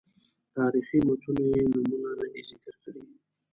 تاریخي متونو یې نومونه نه دي ذکر کړي.